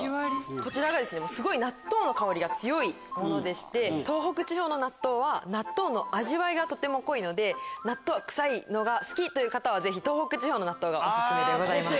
こちらが納豆の香りが強いものでして東北地方の納豆は納豆の味わいがとても濃いので納豆は臭いのが好きという方は東北地方の納豆がオススメです。